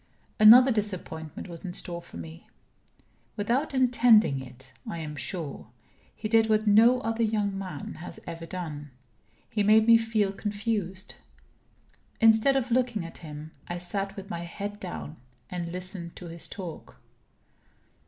Another disappointment was in store for me. Without intending it, I am sure, he did what no other young man has ever done he made me feel confused. Instead of looking at him, I sat with my head down, and listened to his talk.